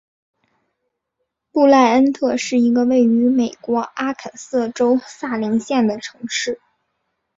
布赖恩特是一个位于美国阿肯色州萨林县的城市。